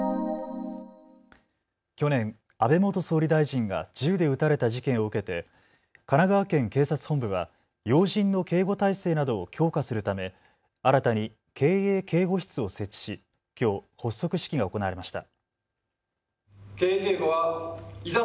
去年、安倍元総理大臣が銃で撃たれた事件を受けて神奈川県警察本部は要人の警護体制などを強化するため新たに警衛警護室を設置しきょう発足式が行われました。